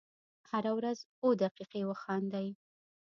هره ورځ اووه دقیقې وخاندئ .